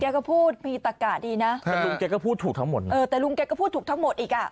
ก็พูดมีตะกะดีนะแต่ลุงแกก็พูดถูกทั้งหมดนะเออแต่ลุงแกก็พูดถูกทั้งหมดอีกอ่ะ